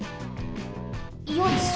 よいしょ。